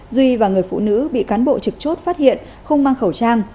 duy và người phụ nữ bị cán bộ trực chốt phát hiện không mang khẩu trang